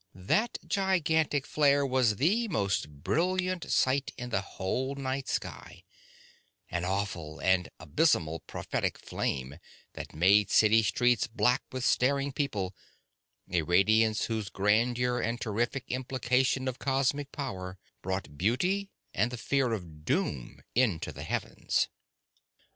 That gigantic flare was the most brilliant sight in the whole night sky, an awful and abysmally prophetic flame that made city streets black with staring people, a radiance whose grandeur and terrific implication of cosmic power brought beauty and the fear of doom into the heavens!